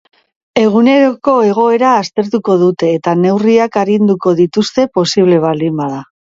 Egunero egoera aztertuko dute, eta neurriak arinduko dituzte posible baldin bada.